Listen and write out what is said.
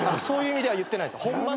そういう意味では言ってないです。